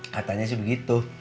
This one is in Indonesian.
katanya sih begitu